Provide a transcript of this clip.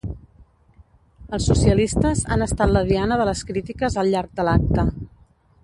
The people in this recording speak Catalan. Els socialistes han estat la diana de les crítiques al llarg de l’acte.